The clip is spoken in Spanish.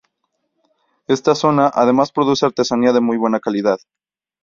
Esta zona, además produce artesanía de muy buena calidad.